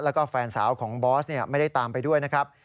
แล้วก็แฟนสาวของบอสไม่ได้ตามไปด้วยนะครับ